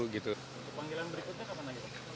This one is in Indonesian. pemanggilan berikutnya kapan lagi pak